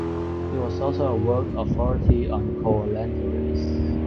He was also a world authority on coelenterates.